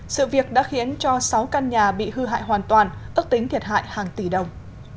sự việc đã khiến cho sáu căn nhà bị hư hại hoàn toàn ước tính thiệt hại hàng tỷ đồng